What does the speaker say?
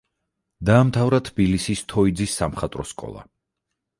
დაამთავრა თბილისის თოიძის სამხატვრო სკოლა.